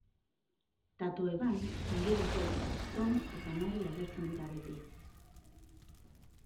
Tatoeban, ingelesez, Tom eta Mary agertzen dira beti.